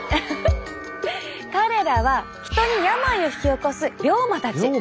彼らは人に病を引き起こす病魔たち。